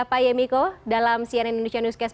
pak yemiko dalam cnn indonesia newscast